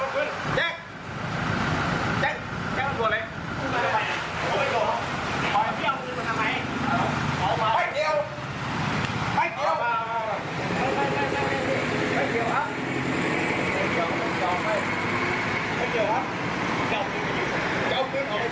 เหมือนเขามาทำไมผมยังไม่ได้ยิง